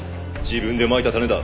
自分でまいた種だ。